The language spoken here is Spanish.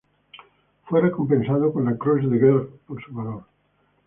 Fue recompensado con la Croix de Guerre por su valor.